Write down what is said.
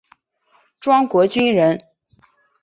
庄国钧人。